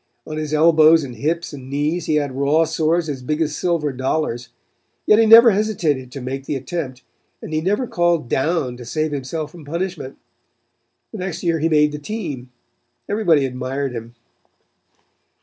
On his elbows and hips and knees he had raw sores as big as silver dollars; yet he never hesitated to make the attempt, and he never called 'down' to save himself from punishment. The next year he made the team. Everybody admired him.